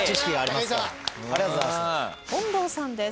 近藤さんです。